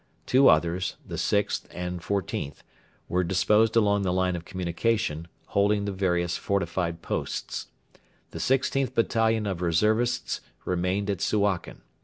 Two others, the 6th and XIVth, were disposed along the line of communication, holding the various fortified posts. The 16th Battalion of reservists remained at Suakin.